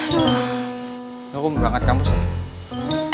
gue mau bangat kamu sih